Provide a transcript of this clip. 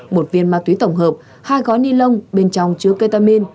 một viên ma túy tổng hợp hai gói ni lông bên trong chứa ketamin